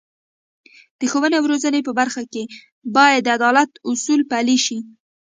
د ښوونې او روزنې په برخه کې باید د عدالت اصول پلي شي.